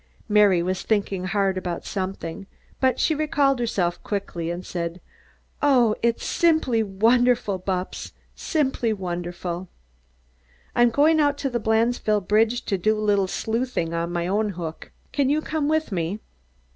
Mary was thinking hard about something, but she recalled herself quickly, and said: "Oh! It's wonderful, Bupps, simply wonderful!" "I'm going out to the Blandesville bridge to do a little sleuthing on my own hook. Can you come with me?"